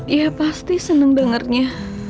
ya pasti seneng dengernya